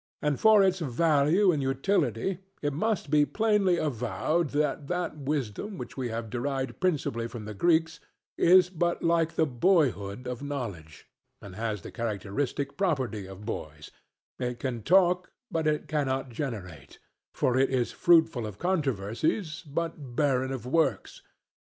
And for its value and utility it must be plainly avowed that that wisdom which we have derived principally from the Greeks is but like the boyhood of knowledge, and has the characteristic property of boys; it can talk, but it cannot generate; for it is fruitful of controversies but barren of works.